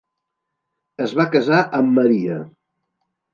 Es va casar amb Maria.